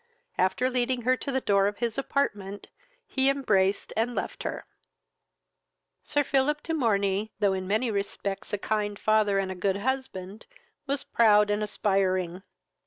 After leading her to the door of his apartment, he embraced and left her. Sir Philip de Morney, though in many respects a kind father and a good husband, was proud and aspiring.